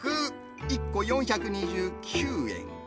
１個４２９円。